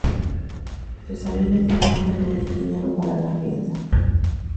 Sus amigos intentan reunir dinero para la fianza.